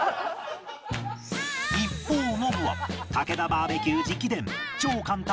一方ノブはたけだバーベキュー直伝超簡単！